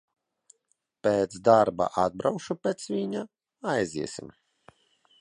Pēc darba atbraukšu pēc viņa, aiziesim.